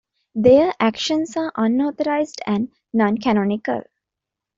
Their actions are unauthorized and non-canonical.